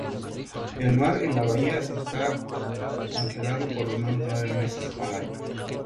El mar en la bahía está congelado por lo menos nueve meses al año.